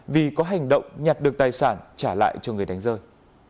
vì có hành động nhặt được tài sản trả lại cho người đàn ông